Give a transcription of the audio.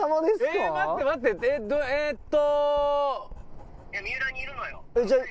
え待って待ってえっと。